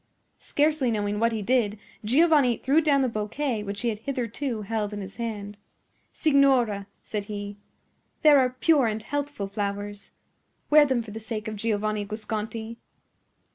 Scarcely knowing what he did, Giovanni threw down the bouquet which he had hitherto held in his hand. "Signora," said he, "there are pure and healthful flowers. Wear them for the sake of Giovanni Guasconti."